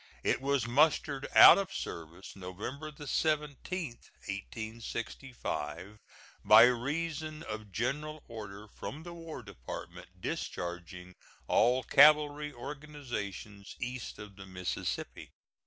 It was mustered out of service November 17, 1865, by reason of general order from the War Department discharging all cavalry organizations east of the Mississippi.